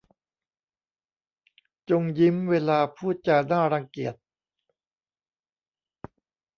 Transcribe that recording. จงยิ้มเวลาพูดจาน่ารังเกียจ